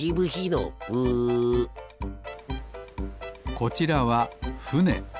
こちらはふね。